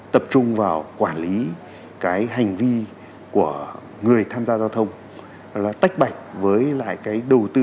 tập trung vào quản lý cái hành vi của người tham gia giao thông là tách bạch với lại cái đầu tư